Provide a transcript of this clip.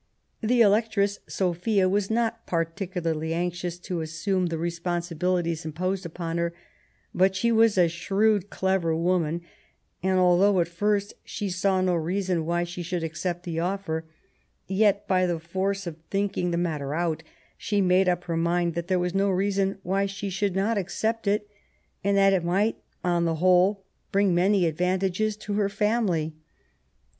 The Electress Sophia was not particularly anxious to assume the responsibilities imposed upon her, but she was a shrewd, clever woman, and although at first she saw no reason why she should accept the offer, yet by the force of thinking the matter out, she made up her mind that there was no reason why she should not accept it, and that it might on the whole bring many advantages to her family.